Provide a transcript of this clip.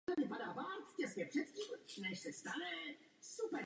Singl obsahuje dvě skladby.